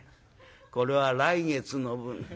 「これは来月の分」。